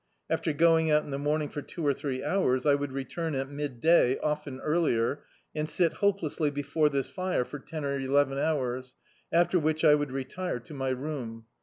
After going out in the morning for two or three hours, I would return at midday, often earlier, and sit hopelessly before this fire for ten or eleven hours, after which I would retire to my room.